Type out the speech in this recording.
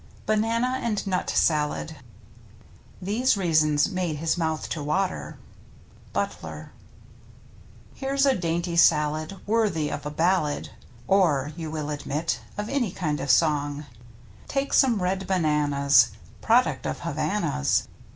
BANANA AND NUT SALAD These reasons made his mouth to water, — Butler. Here's a dainty salad. Worthy of a ballad, Or — you will admit — of any kind of song. Take some red bananas (Product of Havana's!)